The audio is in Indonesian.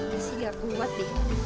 lu sih gak kuat deh